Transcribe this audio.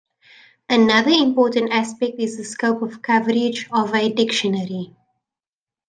Another important aspect is the scope of coverage of a dictionary.